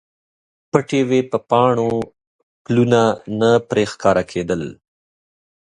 پټې وې په پاڼو، پلونه نه پرې ښکاریدل